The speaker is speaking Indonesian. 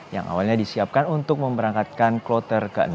yang awalnya disiapkan untuk memberangkatkan kloter ke enam